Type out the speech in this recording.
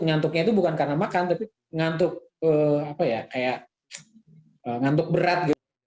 ngantuknya itu bukan karena makan tapi ngantuk berat